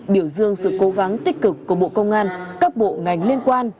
biểu dương sự cố gắng tích cực của bộ công an các bộ ngành liên quan